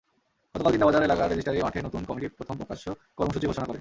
গতকাল জিন্দাবাজার এলাকার রেজিস্টারি মাঠে নতুন কমিটি প্রথম প্রকাশ্য কর্মসূচি ঘোষণা করে।